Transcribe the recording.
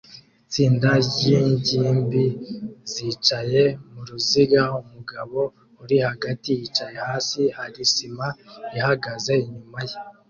Itsinda ryingimbi zicaye muruziga; umugabo uri hagati yicaye hasi hari sima ihagaze inyuma ye